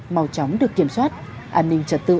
màu tróng được kiểm soát an ninh trật tư